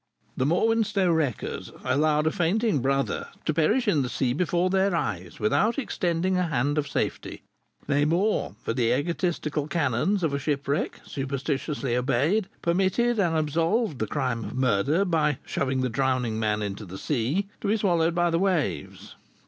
"The Morwenstow wreckers allowed a fainting brother to perish in the sea before their eyes without extending a hand of safety, nay, more, for the egotistical canons of a shipwreck, superstitiously obeyed, permitted and absolved the crime of murder by 'shoving the drowning man into the sea,' to be swallowed by the waves.